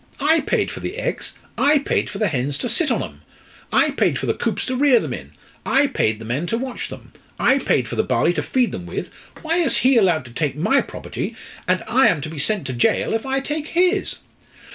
I paid for the eggs, I paid for the hens to sit on 'em, I paid for the coops to rear them in, I paid the men to watch them, I paid for the barley to feed them with: why is he to be allowed to take my property, and I am to be sent to jail if I take his?"